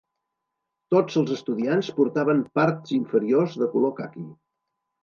Tots els estudiants portaven parts inferiors de color caqui.